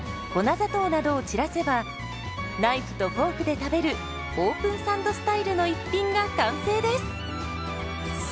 ナイフとフォークで食べるオープンサンドスタイルの一品が完成です。